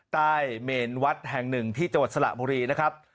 ใต้เมนวัดแห่ง๑ที่จวัดสลับบุรีนะครับ